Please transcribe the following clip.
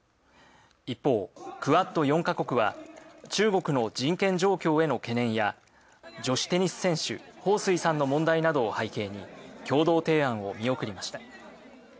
一方、クアッド４か国は中国の人権状況への懸念や女子テニス選手、彭帥さんの問題などを背景に共同提案を見送りました。